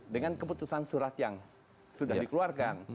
dengan keputusan surat yang sudah dikeluarkan